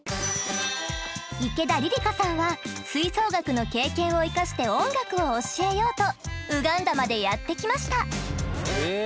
池田麗里香さんは吹奏楽の経験を生かして音楽を教えようとウガンダまでやって来ました。